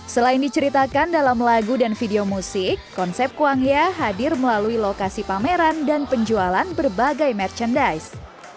selain diceritakan dalam lagu dan video musik konsep kuangya hadir melalui lokasi pameran dan penjualan berbagai merchandise